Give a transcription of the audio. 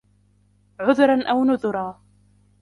عذرا أو نذرا